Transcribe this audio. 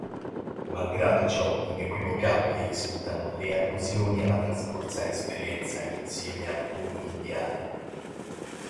Malgrado ciò, inequivocabili risultano le allusioni alla trascorsa esperienza insieme al guru indiano.